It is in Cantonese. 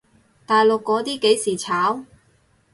大陸嗰啲幾時炒？